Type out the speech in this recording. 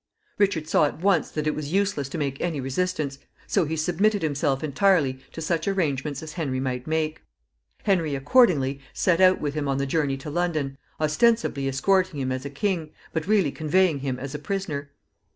Richard saw at once that it was useless to make any resistance, so he submitted himself entirely to such arrangements as Henry might make. Henry accordingly set out with him on the journey to London, ostensibly escorting him as a king, but really conveying him as a prisoner.